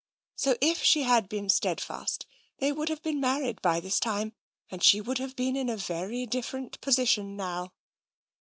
So if she had been steadfast, they would have been married by this time, and she would have been in a very different position now."